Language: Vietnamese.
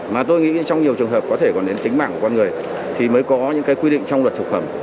mà tôi nghĩ trong nhiều trường hợp có thể còn đến tính mạng của con người thì mới có những quy định trong luật thực phẩm